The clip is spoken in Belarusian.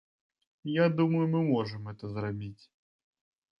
Я думаю, мы можам гэта зрабіць.